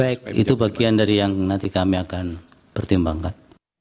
baik itu bagian dari yang nanti kami akan pertimbangkan